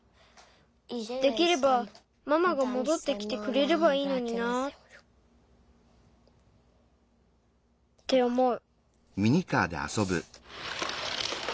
できればママがもどってきてくれればいいのにな。っておもう。